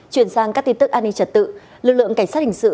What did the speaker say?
chuyển sang các tin tức an ninh trật tự lực lượng cảnh sát hình sự